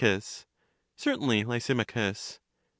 Certainly, Lysimachus.